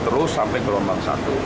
terus sampai ke lombang satu